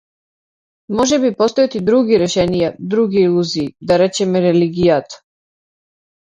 Можеби постојат и други решенија, други илузии, да речеме религијата.